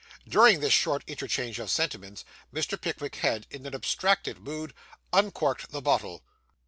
During this short interchange of sentiments, Mr. Pickwick had, in an abstracted mood, uncorked the bottle.